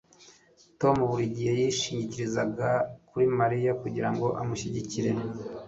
Tom buri gihe yishingikirizaga kuri Mariya kugirango amushyigikire